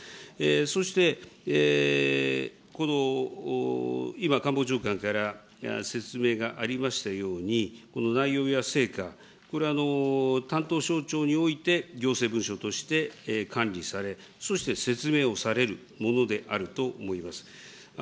そして今、官房長官から説明がありましたように、この内容や成果、これ、担当省庁において行政文書として管理され、そして説明をされるものであると思います。